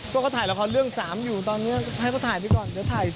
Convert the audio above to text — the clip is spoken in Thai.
พวกเขาถ่ายละครเรื่อง๓อยู่ตอนนี้ให้เขาถ่ายไปก่อน